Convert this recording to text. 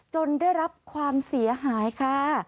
ได้รับความเสียหายค่ะ